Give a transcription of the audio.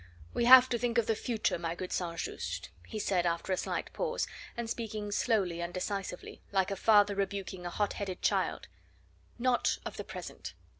"We have to think of the future, my good St. Just," he said after a slight pause, and speaking slowly and decisively, like a father rebuking a hot headed child, "not of the present.